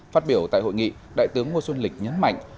phát biểu tại hội nghị đại tướng ngô xuân lịch nhấn mạnh